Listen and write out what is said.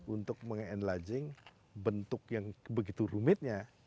untuk meng enloging bentuk yang begitu rumitnya